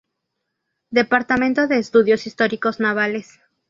Departamento de Estudios Históricos Navales.